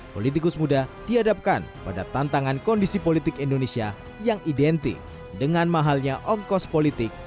politikus muda dihadapkan pada tantangan kondisi politik indonesia yang identik dengan mahalnya ongkos politik